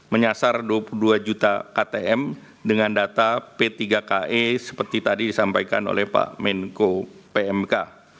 menyasar kepada dua puluh satu tiga juta kpm penerima pkh atau sembako berdasarkan dtks